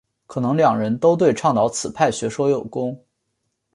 可能两人都对倡导此派学说有功。